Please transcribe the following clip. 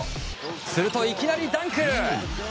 すると、いきなりダンク！